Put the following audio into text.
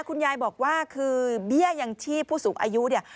คุณยายบอกว่าคือเบี้ยยังชีพผู้สูงอายุเนี่ย